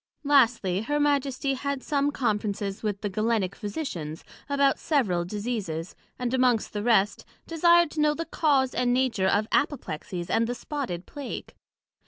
Lastly, her Majesty had some Conferences with the Galenick Physicians about several Diseases, and amongst the rest, desired to know the cause and nature of Apoplexies, and the spotted Plague.